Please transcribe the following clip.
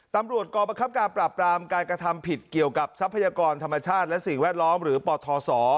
กรประคับการปราบปรามการกระทำผิดเกี่ยวกับทรัพยากรธรรมชาติและสิ่งแวดล้อมหรือปทศ